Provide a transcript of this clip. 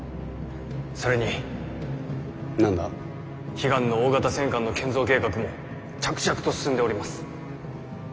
悲願の大型戦艦の建造計画も着々と進んでおります。